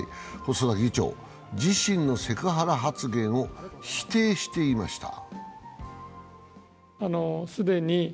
細田議長、自身のセクハラ発言を否定していました。